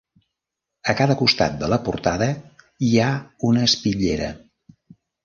A cada costat de la portada hi ha una espitllera.